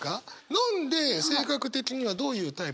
飲んで性格的にはどういうタイプの？